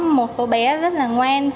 một số bé rất là ngoan